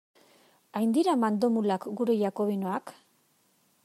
Hain dira mandomulak gure jakobinoak?